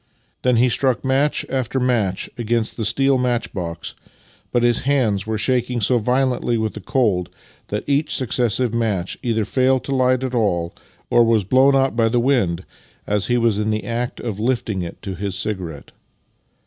Then he struck match after match against the steel match box, but his hands were shaking so violently with the cold that each successive match either failed to light at all or was blown out by the wind as he was in the act of lifting it to his cigarette.